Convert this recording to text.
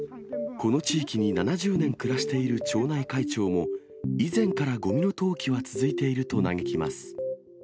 この地域に７０年暮らしている町内会長も、以前からごみの投棄は続いていると嘆きます。